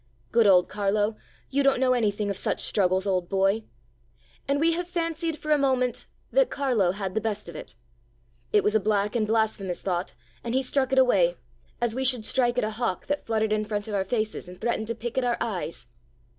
'Good old Carlo, you don't know anything of such struggles, old boy!' And we have fancied for a moment that Carlo had the best of it. It was a black and blasphemous thought, and He struck it away, as we should strike at a hawk that fluttered in front of our faces and threatened to pick at our eyes.